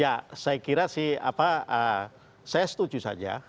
ya saya kira sih apa saya setuju saja